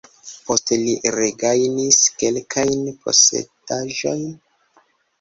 Poste li regajnis kelkajn posedaĵojn.